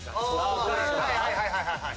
はいはいはいはい。